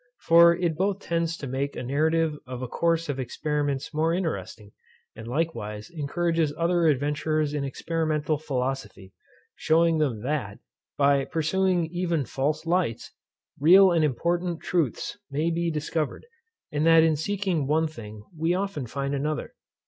For it both tends to make a narrative of a course of experiments more interesting, and likewise encourages other adventurers in experimental philosophy; shewing them that, by pursuing even false lights, real and important truths may be discovered, and that in seeking one thing we often find another.